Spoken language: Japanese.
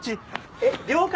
えっ了解？